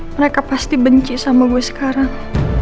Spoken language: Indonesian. mereka pasti benci sama gue sekarang